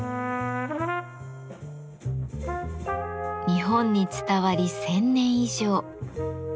日本に伝わり１，０００年以上。